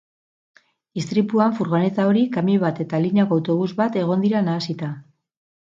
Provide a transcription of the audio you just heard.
Istripuan furgoneta hori, kamioi bat eta lineako autobus bat egon dira nahasita.